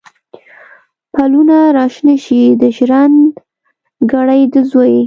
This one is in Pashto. پلونه را شنه شي، د ژرند ګړی د زوی